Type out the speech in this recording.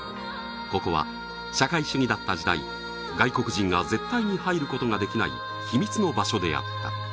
ここは社会主義だった時代外国人が絶対に入ることができない秘密の場所であった